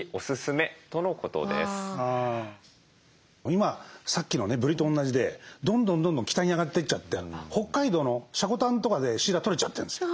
今さっきのねぶりと同じでどんどんどんどん北に上がって行っちゃって北海道の積丹とかでシイラ取れちゃってるんですよ。